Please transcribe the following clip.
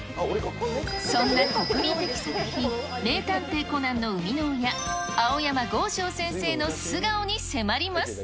そんな国民的作品、名探偵コナンの生みの親、青山剛昌先生の素顔に迫ります。